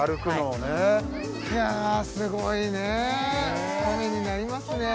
いやすごいねためになりますね